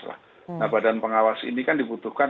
nah badan pengawas ini kan dibutuhkan